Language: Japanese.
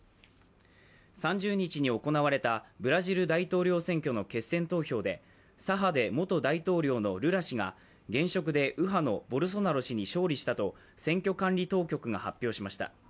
３０日に行われたブラジル大統領選挙の決選投票で左派で元大統領のルラ氏が現職で右派のボルソナロ氏に勝利したと選挙管理当局が発表しました。